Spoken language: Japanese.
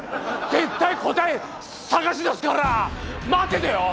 絶対答え探し出すから待っててよ！